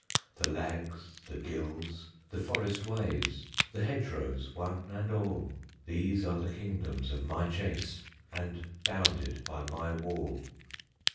The lags, the gills, the forest ways; The hedgerows one and all, These are the kingdoms of my chase, And bounded by my wall.